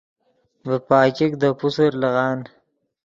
ڤے پاګیک دے پوسر لیغان